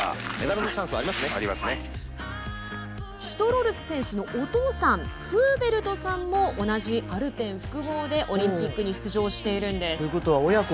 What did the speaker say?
シュトロルツ選手のお父さんフーベルトさんも同じアルペン複合でオリンピックに出場しているんです。